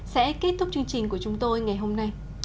sẽ kết thúc chương trình của chúng tôi ngày hôm nay